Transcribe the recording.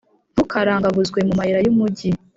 Ntukarangaguzwe mu mayira y’umugi,